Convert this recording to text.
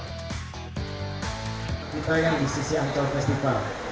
kita yang di sisi ancol festival